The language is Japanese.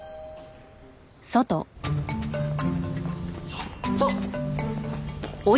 ちょっと！